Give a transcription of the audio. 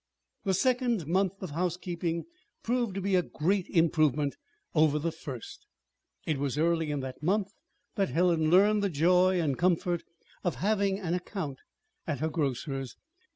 The second month of housekeeping proved to be a great improvement over the first. It was early in that month that Helen learned the joy and comfort of having "an account" at her grocer's.